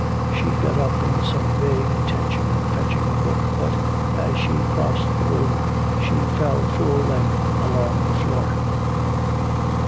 She got up in some vague intention of fetching a book, but, as she crossed the room, she fell full length along the floor.